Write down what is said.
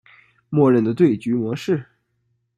默认的对局模式。